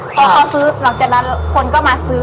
พอเขาซื้อหลังจากนั้นคนก็มาซื้อ